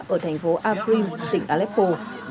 ở thành phố afrin tỉnh aleppo